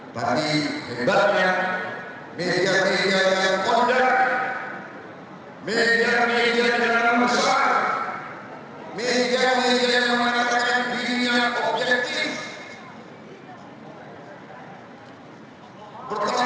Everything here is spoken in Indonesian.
tapi hebatnya media media yang kondat media media yang dalam kesan media media yang mengatakan dirinya objektif